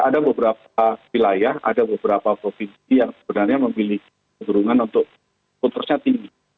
ada beberapa wilayah ada beberapa provinsi yang sebenarnya memiliki keturunan untuk votersnya tinggi